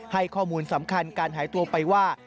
ให้ข้อมูลสำคัญการหายตัวไปว่า